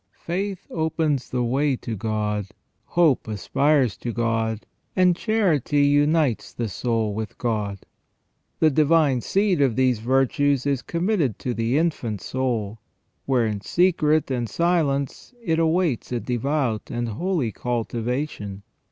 Faith opens the way to God, hope aspires to God, and charity unites the soul with God. The divine seed of these virtues is committed to the infant soul, where in secret and silence it awaits a devout and holy cultivation.